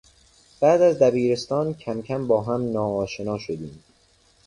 بعد از دبیرستان کمکم با هم ناآشنا شدیم.